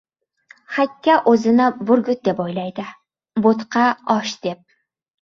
• Hakka o‘zini burgut deb o‘ylaydi, bo‘tqa ― osh deb.